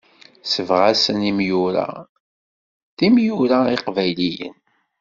Sebɣasen imyura, d temyura iqbayliyen.